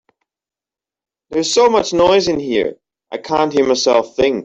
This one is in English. There is so much noise in here, I can't hear myself think.